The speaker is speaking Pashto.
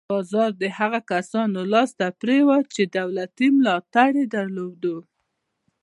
بازار د هغو کسانو لاس ته پرېوت چې دولتي ملاتړ یې درلود.